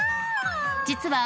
［実は］